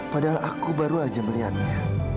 padahal aku baru aja melihatnya